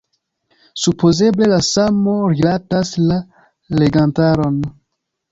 Supozeble la samo rilatas la legantaron.